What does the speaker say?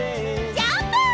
ジャンプ！